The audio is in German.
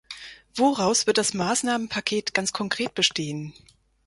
Woraus wird das Maßnahmenpaket ganz konkret bestehen?